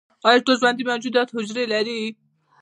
ایا ټول ژوندي موجودات حجرې لري؟